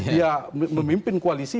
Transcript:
dia memimpin koalisi